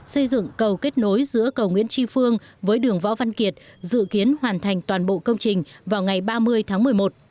cầu nguyễn tri phương dự kiến hoàn thành đường võ văn kiệt dự kiến hoàn thành toàn bộ công trình vào ngày ba mươi tháng một mươi một